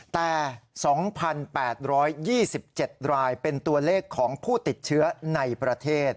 แต่๒๘๒๗รายเป็นตัวเลขของผู้ติดเชื้อในประเทศ